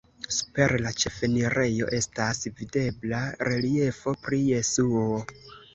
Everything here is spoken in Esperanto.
Super la ĉefenirejo estas videbla reliefo pri Jesuo.